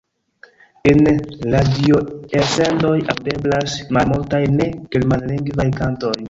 En radioelsendoj aŭdeblas malmultaj ne-germanlingvaj kantoj.